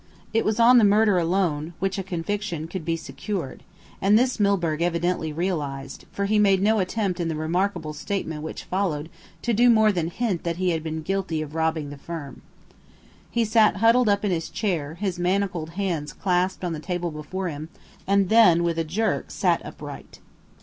It was on the murder alone that a conviction could be secured; and this Milburgh evidently realised, for he made no attempt in the remarkable statement which followed to do more than hint that he had been guilty of robbing the firm. He sat huddled up in his chair, his manacled hands clasped on the table before him, and then with a jerk sat upright.